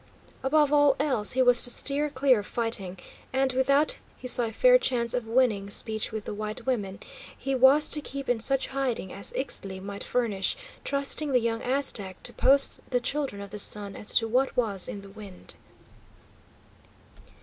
Above all else, he was to steer clear of fighting, and, without he saw a fair chance of winning speech with the white women, he was to keep in such hiding as Ixtli might furnish, trusting the young Aztec to post the Children of the Sun as to what was in the wind.